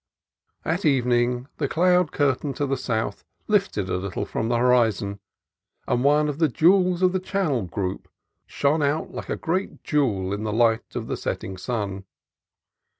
At evening the cloud curtain to the south lifted a little from the horizon, and one of the islands of the Channel Group shone out like a great jewel in the light of the setting sun.